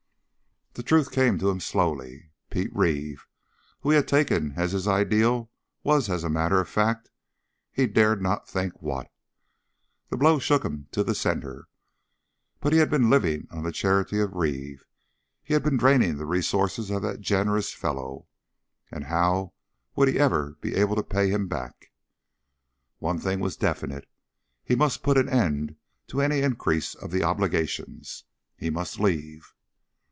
The truth came to him slowly. Pete Reeve, whom he had taken as his ideal, was, as a matter of fact he dared not think what! The blow shook him to the center. But he had been living on the charity of Reeve. He had been draining the resources of the generous fellow. And how would he ever be able to pay him back? One thing was definite. He must put an end to any increase of the obligations. He must leave.